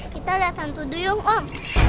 kita liat hantu duyung om